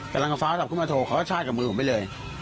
กำลังกับฟ้ากลับขึ้นมาโทรเขาชาติกับมือผมไปเลย